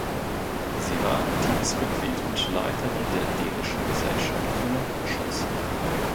Sie war aktives Mitglied und Leiterin der Dänischen Gesellschaft für Naturschutz.